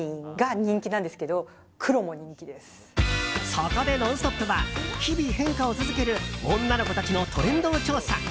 そこで「ノンストップ！」は日々、変化を続ける女の子たちのトレンドを調査。